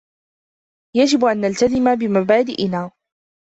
يجب أن نلتزم بمبادئنا.